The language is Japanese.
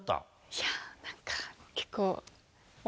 いや何か結構。